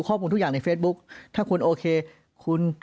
เพราะอาชญากรเขาต้องปล่อยเงิน